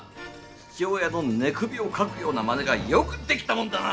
父親の寝首をかくようなまねがよくできたもんだな！